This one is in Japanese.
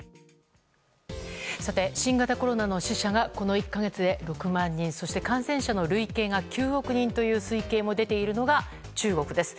新型コロナの死者がこの１か月で６万人そして感染者の累計が９億人という推計も出ているのが中国です。